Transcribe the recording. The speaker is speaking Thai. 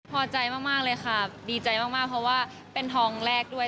พอใจมากเลยค่ะดีใจมากเพราะว่าเป็นทองแรกด้วย